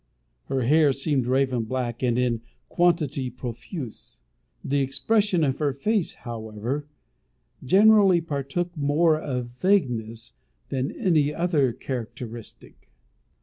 Her hair seemed raven black, and in quantity profuse. The expression of her face, however, generally partook more of vagueness than any other characteristic.